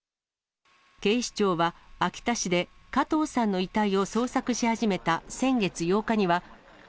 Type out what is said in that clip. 警視庁は、秋田市で加藤さんの遺体を捜索し始めた先月８日には。